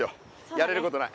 やれることない。